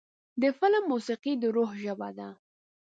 د فلم موسیقي د روح ژبه ده.